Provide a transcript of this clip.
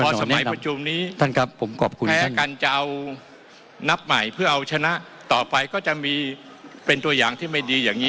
พอสมัยประชุมนี้ท่านครับผมขอบคุณแม้การจะเอานับใหม่เพื่อเอาชนะต่อไปก็จะมีเป็นตัวอย่างที่ไม่ดีอย่างนี้